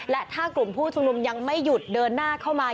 และถ้ากลุ่มผู้ชุมนุมยังไม่หยุดเดินหน้าเข้ามา